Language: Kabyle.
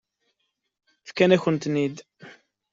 Fkan-akent-ten-id.